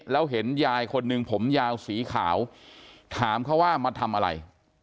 แล้วเห็นยายคนหนึ่งผมยาวสีขาวถามเขาว่ามาทำอะไร